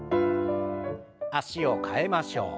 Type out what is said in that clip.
脚を替えましょう。